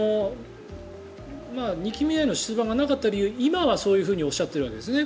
２期目への出馬がなかった理由は今はそういうふうにおっしゃっているわけですね。